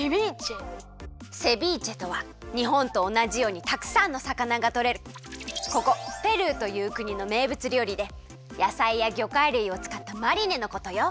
セビーチェとはにほんとおなじようにたくさんのさかながとれるここペルーというくにのめいぶつりょうりでやさいやぎょかいるいをつかったマリネのことよ。